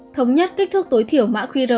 thống nhất kích thước tối thiểu mã qr